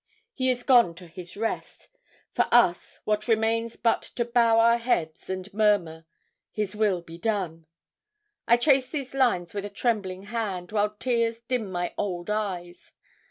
He is gone to his rest for us, what remains but to bow our heads, and murmur, "His will be done"? I trace these lines with a trembling hand, while tears dim my old eyes.